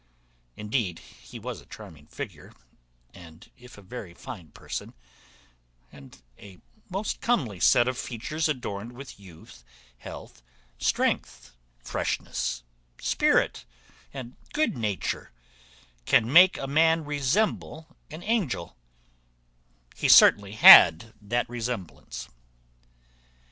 Indeed he was a charming figure; and if a very fine person, and a most comely set of features, adorned with youth, health, strength, freshness, spirit, and good nature, can make a man resemble an angel, he certainly had that resemblance.